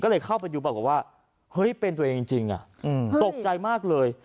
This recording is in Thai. ก็เลยเข้าไปดูปรากฏว่าเฮ้ยเป็นตัวเองจริงตกใจมากเลย